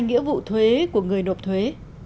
nghĩa vụ thuế của người nộp thuế